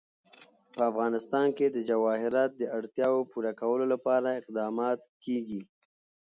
په افغانستان کې د جواهرات د اړتیاوو پوره کولو لپاره اقدامات کېږي.